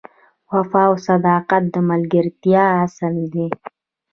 وفا او صداقت د ملګرتیا اصل دی.